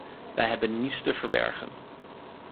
Wij hebben niets te verbergen.